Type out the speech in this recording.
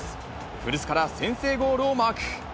古巣から先制ゴールをマーク。